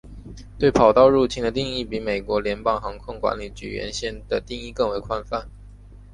对跑道入侵的定义比美国联邦航空管理局原先的定义更为宽泛。